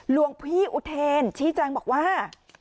หลวงพี่อุเทนชี้แจงบอกว่า